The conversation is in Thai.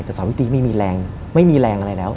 แต่สาวิตรีไม่มีแรงไม่มีแรงอะไรแล้ว